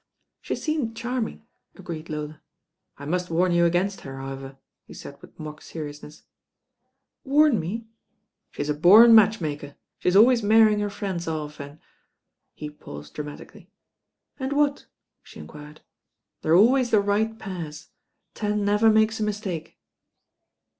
"She seemed charming," agreed Lola. "I must warn you against her, however," he said with mock seriousness. "Warn me?" "She's a born match maker. She's always marry ing her friends off and " he paused dramatically. "And what?" she enquired. "They're always the right pairs. Tan never makes a mistake."